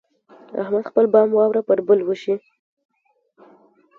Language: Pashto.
احمد خپل بام واوره پر بل وشي.